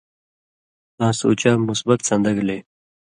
تاں سُوچہ مثبت سن٘دہ گلے